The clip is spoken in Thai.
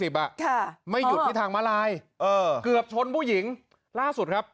อ่ะค่ะไม่หยุดที่ทางมาลายเออเกือบชนผู้หญิงล่าสุดครับ